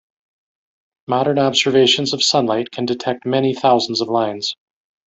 Modern observations of sunlight can detect many thousands of lines.